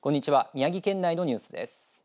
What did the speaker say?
宮城県内のニュースです。